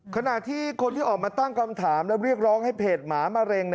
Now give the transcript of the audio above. ขณะที่คนที่ออกมาตั้งคำถามและเรียกร้องให้เพจหมามะเร็ง